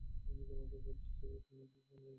আমি তোমাকে বলছি, এখানো নিশ্চিত কোন গোলমাল আছে।